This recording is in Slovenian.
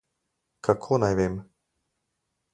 Kako naj vem?